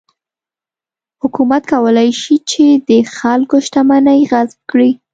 حکومت کولای شي چې د خلکو شتمنۍ غصب کړي.